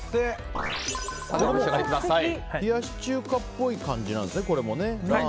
これも冷やし中華っぽい感じですね。